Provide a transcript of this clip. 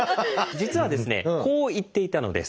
実はですねこう言っていたのです。